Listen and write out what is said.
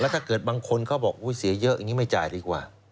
ถ้าเกิดบางคนเขาบอกเสียเยอะอย่างนี้ไม่จ่ายดีกว่า